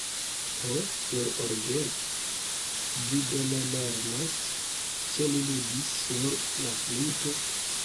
Ho, sur orgeno? Vi do ne lernas ĉe li ludis sur la fluto?